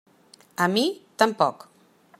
A mi tampoc.